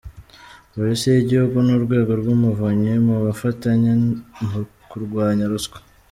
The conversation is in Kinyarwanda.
Polisi y’Igihugu n’Urwego rw’Umuvunyi mu bufatanye mu kurwanya ruswa